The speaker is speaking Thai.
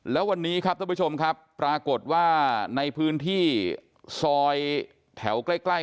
แล้ววันนี้ครับท่านผู้ชมครับปรากฏว่าในพื้นที่ซอยแถวใกล้